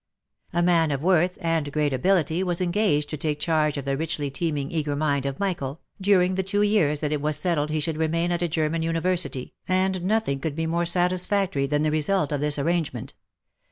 A man of worth and great ability was engaged to take charge of the richly teeming eager mind of Michael, during the two years that it was settled he should remain at a German university, and nothing could be more satisfactory than the result of this arrangement.